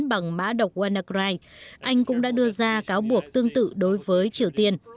bằng mã độc wanacry anh cũng đã đưa ra cáo buộc tương tự đối với triều tiên